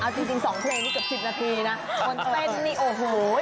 เอาจริง๒เพลงนี้เกือบ๑๐นาทีนะคนเต้นนี่โอ้โห